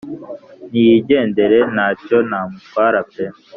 niyigendere ntacyo namutwara pee